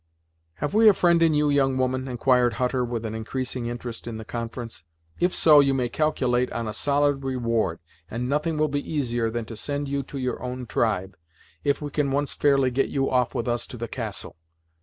"Have we a friend in you, young woman?" enquired Hutter with an increasing interest in the conference. "If so, you may calculate on a solid reward, and nothing will be easier than to send you to your own tribe, if we can once fairly get you off with us to the castle.